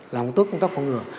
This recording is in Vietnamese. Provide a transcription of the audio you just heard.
làm tốt công tác phòng ngừa